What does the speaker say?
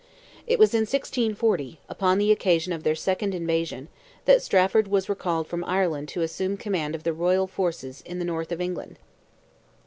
It was in 1640, upon the occasion of their second invasion, that Strafford was recalled from Ireland to assume command of the royal forces in the North of England.